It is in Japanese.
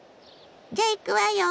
じゃいくわよ。